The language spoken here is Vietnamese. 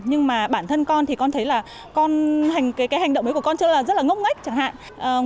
nhưng mà bản thân con thì con thấy là cái hành động ấy của con rất là ngốc ngách chẳng hạn